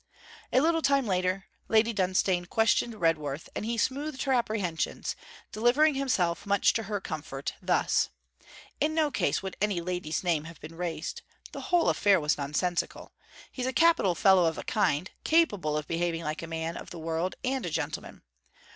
A little later, Lady Dunstane questioned Redworth, and he smoothed her apprehensions, delivering himself, much to her comfort, thus: 'In no case would any lady's name have been raised. The whole affair was nonsensical. He's a capital fellow of a kind, capable of behaving like a man of the world and a gentleman.